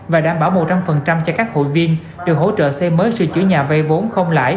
và đảm bảo một trăm linh cho các hội viên được hỗ trợ xây mới sửa chữa nhà vay vốn không lãi